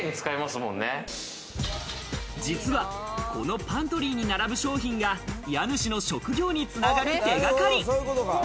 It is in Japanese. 実は、このパントリーに並ぶ商品が家主の職業につながる手掛かり。